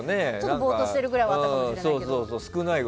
ぼーっとしてるぐらいはあったかもしれないですけど。